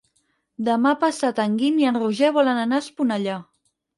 Demà passat en Guim i en Roger volen anar a Esponellà.